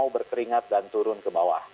berkeringat dan turun ke bawah